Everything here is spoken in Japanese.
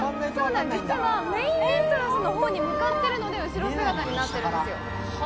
実はメインエントラスの方に向かっているので後ろ姿になっているんですよ。